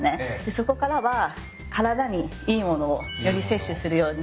そこからは体にいい物をより摂取するようにして。